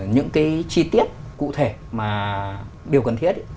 những cái chi tiết cụ thể mà điều cần thiết